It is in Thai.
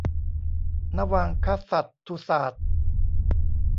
นวังคสัตถุศาสน์